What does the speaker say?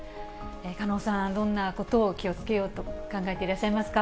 狩野さん、どんなことを気をつけようと考えていらっしゃいますか。